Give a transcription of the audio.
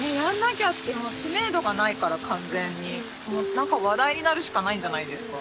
なんか話題になるしかないんじゃないですか。